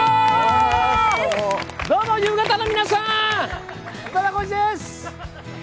どうも夕方の皆さん、今田耕司です！